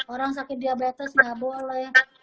orang sakit diabetes nggak boleh